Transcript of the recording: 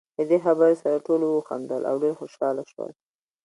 له دې خبرې سره ټولو وخندل، او ډېر خوشاله شول.